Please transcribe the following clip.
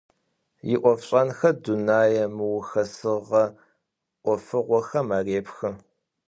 Иӏофшӏэнхэр дунэе мыухэсыгъэ ӏофыгъохэм арепхы.